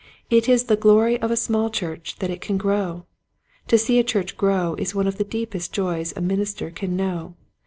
It is 'the glory of a small church that it can grow. To see a church grow is one of the deepest joys a minister can know.